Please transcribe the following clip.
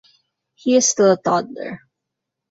He is still a toddler.